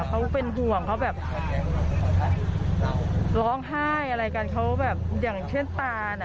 เขาเป็นห่วงเขาแบบร้องไห้อะไรกันเขาแบบอย่างเช่นตาน่ะ